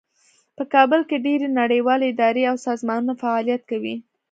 په کابل کې ډیرې نړیوالې ادارې او سازمانونه فعالیت کوي